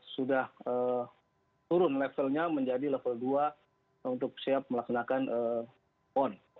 sudah turun levelnya menjadi level dua untuk siap melaksanakan pon